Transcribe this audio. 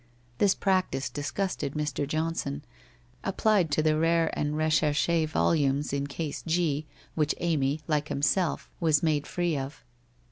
This practice dis gusted Mr. Johnson, applied to the rare and recherche volumes in Case G, which Amy, like himself, was made free of.